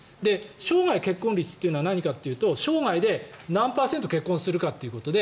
生涯結婚率というのは何かというと生涯で何パーセント結婚するかということで